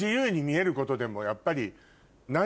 やっぱり。